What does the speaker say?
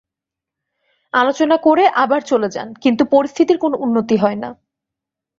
আলোচনা করে আবার চলে যান, কিন্তু পরিস্থিতির কোনো উন্নতি হয় না।